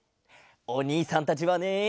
おにいさんたちはね。